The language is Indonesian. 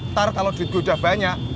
ntar kalau duit gue udah banyak